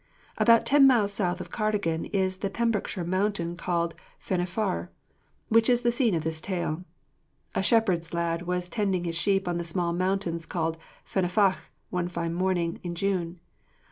About ten miles south of Cardigan is the Pembrokeshire mountain called Frennifawr, which is the scene of this tale: A shepherd's lad was tending his sheep on the small mountains called Frennifach one fine morning in June.